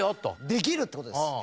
できるって事です。